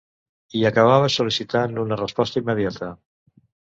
I acabava sol·licitant una resposta immediata.